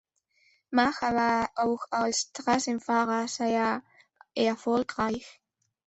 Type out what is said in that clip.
Macha war auch als Straßenfahrer sehr erfolgreich.